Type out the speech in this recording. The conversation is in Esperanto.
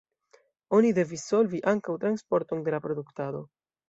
Oni devis solvi ankaŭ transporton de la produktado.